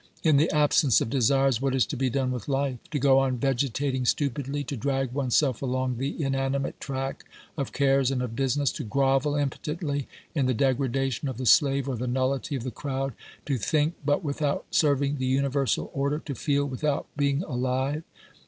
In the absence of desires what is to be done with life? To go on vegetating stupidly ; to drag one's self along the inanimate track of cares and of business ; to grovel im potently in the degradation of the slave or the nullity of OBERMANN 145 the crowd ; to think, but without serving the universal order ; to feel without being alive